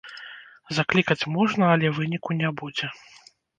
Заклікаць можна, але выніку не будзе.